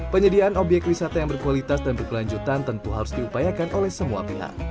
penyediaan obyek wisata yang berkualitas dan berkelanjutan tentu harus diupayakan oleh semua pihak